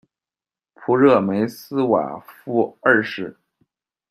普热梅斯瓦夫二世。